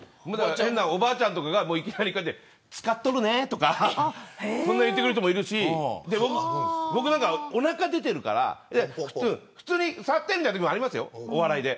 変なおばあちゃんとかが使っとるねとか言ってくる人もいるし僕なんか、おなか出てるから普通に触ってみたいなときありますよ、お笑いで。